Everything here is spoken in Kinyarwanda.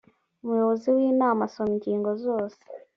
umuyobozi w inama asoma ingingo zose